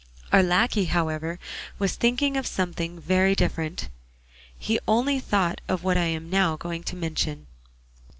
Our lacquey, however, was thinking of something very different; he only thought of what I am now going to mention.